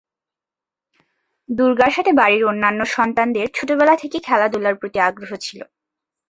দুর্গার সাথে বাড়ির অন্যান্য সন্তানদের ছোটবেলা থেকে খেলাধূলার প্রতি আগ্রহ ছিল।